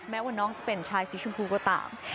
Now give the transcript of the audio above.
ว่าน้องจะเป็นชายสีชมพูก็ตาม